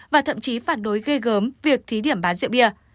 và thậm chí phản đối ghê gớm việc thí điểm bán rượu bia